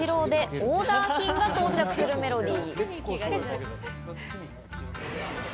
オーダー品が到着するメロディー。